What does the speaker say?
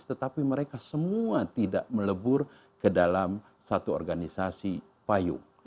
tetapi mereka semua tidak melebur ke dalam satu organisasi payung